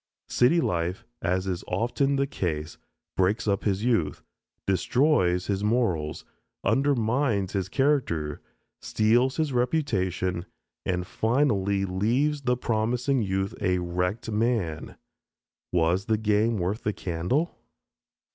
City life, as is often the case, breaks up his youth, destroys his morals, undermines his character, steals his reputation, and finally leaves the promising youth a wrecked man. Was the game worth the candle?